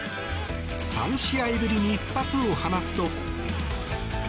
３試合ぶりに一発を放つと。